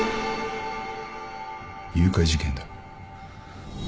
誘拐事件だ。